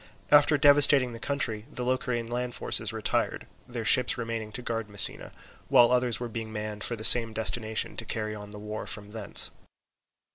After devastating the country the Locrian land forces retired, their ships remaining to guard Messina, while others were being manned for the same destination to carry on the war from thence.